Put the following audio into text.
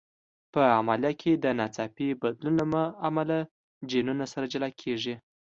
په عملیه کې د ناڅاپي بدلون له امله جینونه سره جلا کېږي.